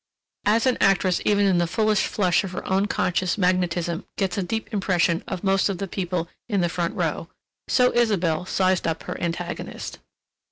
As an actress even in the fullest flush of her own conscious magnetism gets a deep impression of most of the people in the front row, so Isabelle sized up her antagonist.